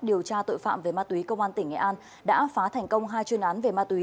điều tra tội phạm về ma túy công an tỉnh nghệ an đã phá thành công hai chuyên án về ma túy